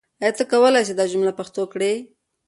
آیا ته کولای سې دا جمله پښتو کړې؟